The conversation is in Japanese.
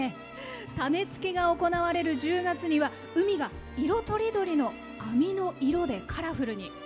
種付けが行われる１０月には海が色とりどりの網の色でカラフルに。